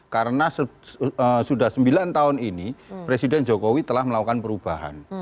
karena sudah sembilan tahun ini presiden jokowi telah melakukan perubahan